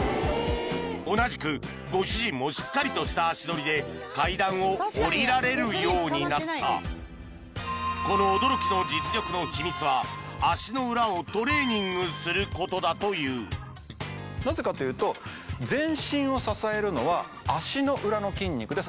同じくご主人もしっかりとした足取りで階段を下りられるようになったこの足の裏をトレーニングすることだというなぜかというとえっ？